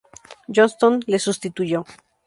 Johnston le sustituyó.